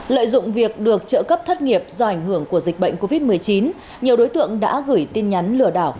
lợi dụng việc được trợ cấp thất nghiệp do ảnh hưởng của dịch bệnh covid một mươi chín nhiều đối tượng đã gửi tin nhắn lừa đảo